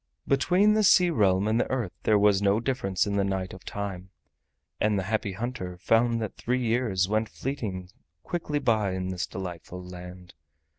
Between the Sea Realm and the Earth there was no difference in the night of time, and the Happy Hunter found that three years went fleeting quickly by in this delightful land.